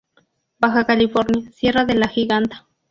Baja California: Sierra de la Giganta.